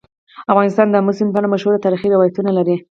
افغانستان د آمو سیند په اړه مشهور تاریخی روایتونه لري.